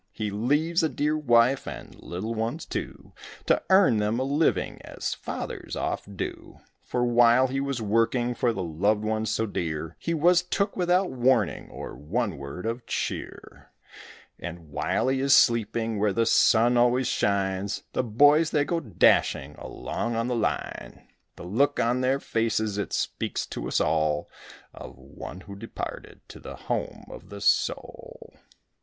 He leaves a dear wife and little ones, too, To earn them a living, as fathers oft do; For while he was working for the loved ones so dear He was took without warning or one word of cheer. And while he is sleeping where the sun always shines, The boys they go dashing along on the line; The look on their faces it speaks to us all Of one who departed to the home of the soul.